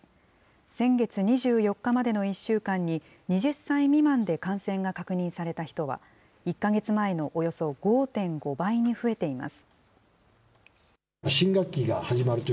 先月２４日までの１週間に、２０歳未満で感染が確認された人は、１か月前のおよそ５．５倍に増えています。